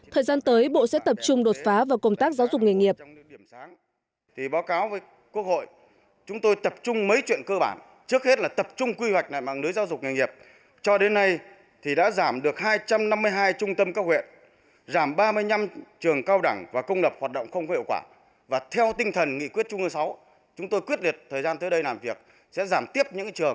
thời gian tới bộ sẽ tập trung đột phá vào công tác giáo dục nghề nghiệp